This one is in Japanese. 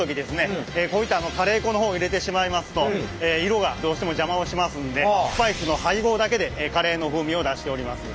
こういったカレー粉の方を入れてしまいますと色がどうしても邪魔をしますんでスパイスの配合だけでカレーの風味を出しております。